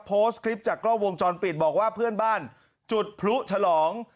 โพสต์คลิปจากกล้องวงจรปิดบอกว่าเพื่อนบ้านจุดพลุฉลอง